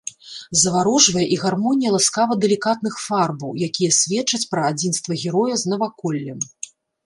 Заварожвае і гармонія ласкава-далікатных фарбаў, якія сведчаць пра адзінства героя з наваколлем.